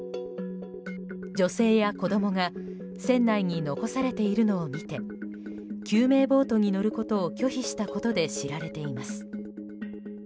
女性や子供が船内に残されているのを見て救命ボートに乗ることを拒否したことで知られています。